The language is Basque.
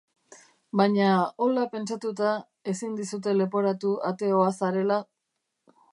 Baina, hola pentsatuta, ezin dizute leporatu ateoa zarela?